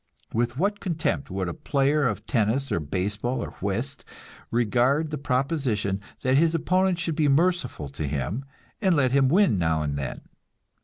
With what contempt would a player of tennis or baseball or whist regard the proposition that his opponent should be merciful to him, and let him win now and then!